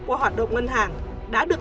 qua hoạt động ngân hàng đã được